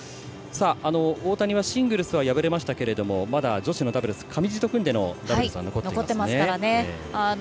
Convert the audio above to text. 大谷はシングルスは敗れましたけれどもまだ女子のダブルス上地と組んでのダブルスは残っています。